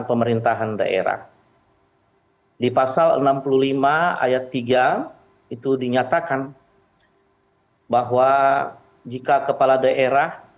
pemerintahan daerah di pasal enam puluh lima ayat tiga itu dinyatakan bahwa jika kepala daerah